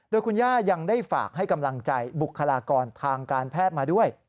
โดยคุณย่ายังได้ฝากให้กำลังใจบุคลากรทางการแพทย์มาด้วย